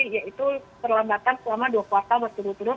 yaitu perlambatan selama dua kuartal berturut turut